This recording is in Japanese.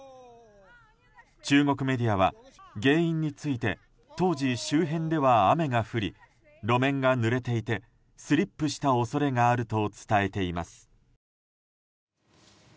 中国メディアは原因について当時、周辺では雨が降り路面がぬれていてスリップした恐れがあると伝えています。